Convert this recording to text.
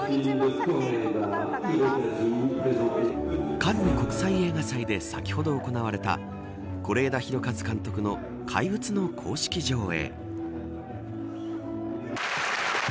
カンヌ国際映画祭で先ほど行われた是枝裕和監督の怪物の公式上映。